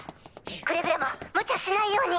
くれぐれも無茶しないように。